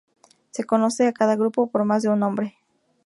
Se conoce a cada grupo por más de un nombre.